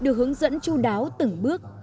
được hướng dẫn chú đáo từng bước